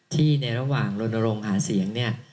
ที่ในระหว่างโรนโรงหาเสียงเนี่ย